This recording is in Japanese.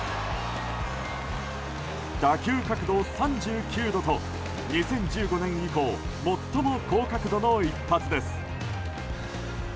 打球角度３９度と２０１５年以降最も高角度の一発です。